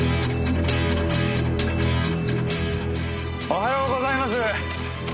おはようございます！